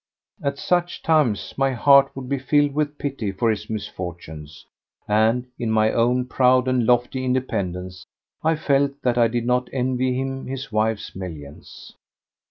At such times my heart would be filled with pity for his misfortunes, and, in my own proud and lofty independence, I felt that I did not envy him his wife's millions.